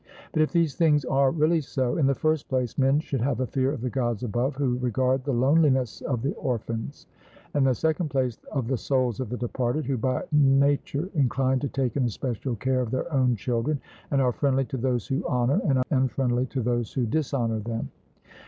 But if these things are really so, in the first place men should have a fear of the Gods above, who regard the loneliness of the orphans; and in the second place of the souls of the departed, who by nature incline to take an especial care of their own children, and are friendly to those who honour, and unfriendly to those who dishonour them.